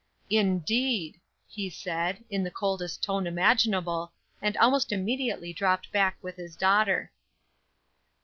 "Indeed!" he said, in the coldest tone imaginable, and almost immediately dropped back with his daughter.